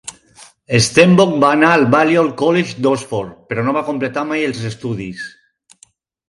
Stenbock va anar al Balliol College d'Oxford però no va completar mai els estudis.